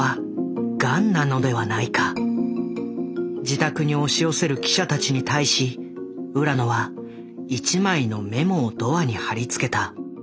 自宅に押し寄せる記者たちに対し浦野は一枚のメモをドアに貼り付けた。